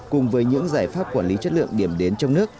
cùng với những giải pháp quản lý chất lượng điểm đến trong nước